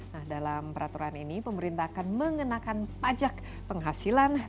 nah dalam peraturan ini pemerintah akan mengenakan pajak penghasilan